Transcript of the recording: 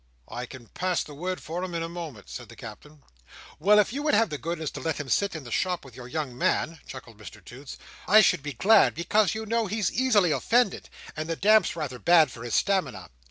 "I can pass the word for him in a moment," said the Captain. "Well, if you would have the goodness to let him sit in the shop with your young man," chuckled Mr Toots, "I should be glad; because, you know, he's easily offended, and the damp's rather bad for his stamina.